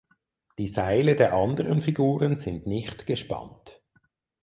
Die Seile der anderen Figuren sind nicht gespannt.